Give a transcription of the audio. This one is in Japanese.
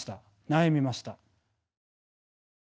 悩みました。